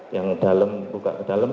yang dalam buka ke dalam